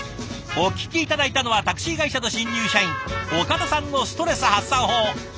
お聞き頂いたのはタクシー会社の新入社員岡田さんのストレス発散法。